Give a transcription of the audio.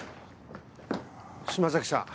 島崎さん。